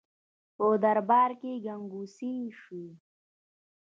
په دربار کې ګنګوسې شوې.